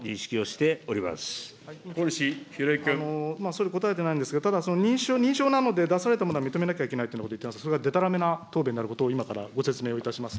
総理答えてないんですが、ただ認証なので、出されたものは認めなきゃいけないということを言ってますが、それがでたらめな答弁になることを今からご説明をいたします。